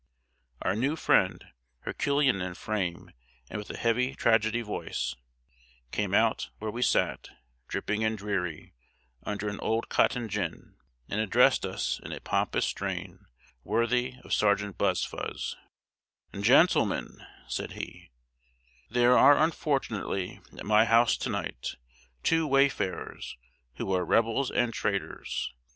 ] Our new friend, herculean in frame and with a heavy tragedy voice, came out where we sat, dripping and dreary, under an old cotton gin, and addressed us in a pompous strain, worthy of Sergeant Buzfuz: "Gentlemen," said he, "there are, unfortunately, at my house to night two wayfarers, who are Rebels and traitors.